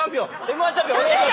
Ｍ−１チャンピオンお願いします。